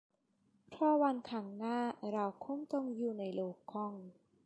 เพราะวันข้างหน้าเราคงต้องอยู่ในโลกของ